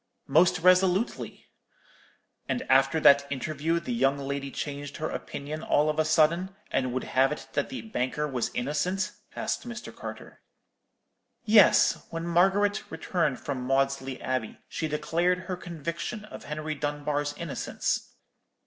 "'Most resolutely.' "'And after that interview the young lady changed her opinion all of a sudden, and would have it that the banker was innocent?' asked Mr. Carter. "'Yes; when Margaret returned from Maudesley Abbey she declared her conviction of Henry Dunbar's innocence.'